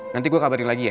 nanti gue kabarin lagi ya